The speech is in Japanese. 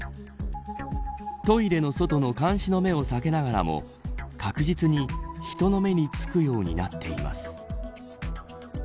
トイレの外の監視の目を避けながらも確実に人の目に付くようになっています。